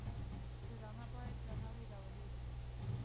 ډرامه باید درناوی راولي